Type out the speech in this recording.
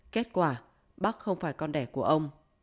kết quả bắc không phải con đẻ của ông